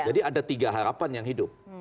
jadi ada tiga harapan yang hidup